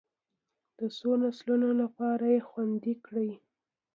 د څو نسلونو لپاره یې خوندي کړي.